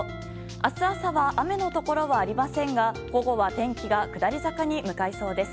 明日朝は雨のところはありませんが午後は天気が下り坂に向かいそうです。